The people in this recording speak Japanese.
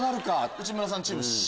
内村さんチームＣ？